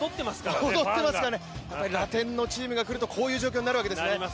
ラテンのチームが来るとこういう状況になるわけですね。